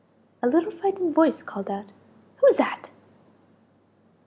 A little frightened voice called out "Who's that?"